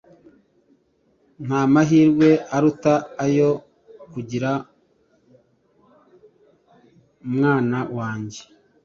Ntamahirwe aruta ayo kukugira mwana wanjye